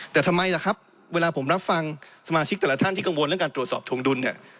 แต่ทำไมล่ะครับเวลาผมรับฟังสมาชิกแต่ละท่านที่กังวลเรื่องการตรวจสอบทวงดุลเนี่ย